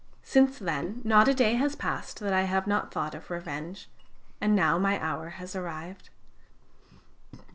Since then not a day has passed that I have not thought of revenge. And now my hour has arrived."